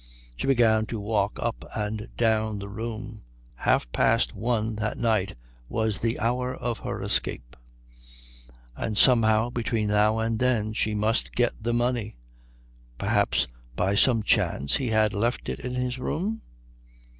She began to walk up and down the room. Half past one that night was the hour of her escape, and somehow between now and then she must get the money. Perhaps by some chance he had left it in his room?